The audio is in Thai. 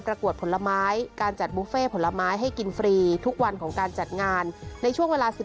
กวดผลไม้การจัดบุฟเฟ่ผลไม้ให้กินฟรีทุกวันของการจัดงานในช่วงเวลา๑๔